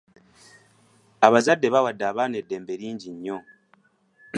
Abazadde bawadde abaana eddembe lingi nnyo.